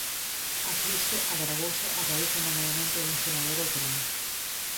A crise agravouse a raíz do nomeamento dun senador autonómico.